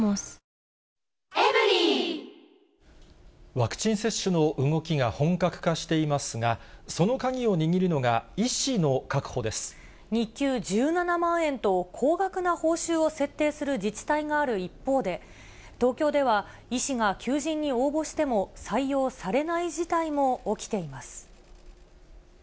ワクチン接種の動きが本格化していますが、日給１７万円と、高額な報酬を設定する自治体がある一方で、東京では、医師が求人に応募しても採用されない事態も起きています。